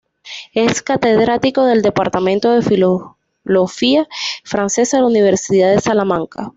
Es Catedrático del Departamento de Filología Francesa de la Universidad de Salamanca.